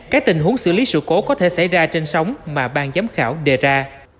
các tình huống xử lý sự cố có thể xảy ra trên sóng mà bang giám khảo đề ra